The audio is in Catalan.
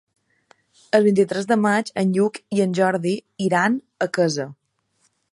El vint-i-tres de maig en Lluc i en Jordi iran a Quesa.